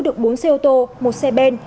được bốn xe ô tô một xe bên